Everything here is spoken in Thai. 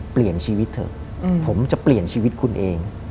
เปลี่ยนชีวิตเถอะผมจะเปลี่ยนชีวิตคุณเอง